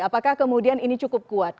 apakah kemudian ini cukup kuat